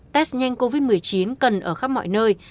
test nhanh covid một mươi chín cần ở khắp mọi nơi